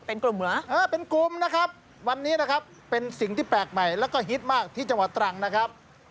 เป็นกลุ่มเหรอเออเป็นกลุ่มนะครับวันนี้นะครับเป็นสิ่งที่แปลกใหม่แล้วก็ฮิตมากที่จังหวัดตรังนะครับ